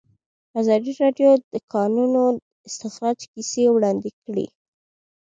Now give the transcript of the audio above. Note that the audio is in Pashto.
ازادي راډیو د د کانونو استخراج کیسې وړاندې کړي.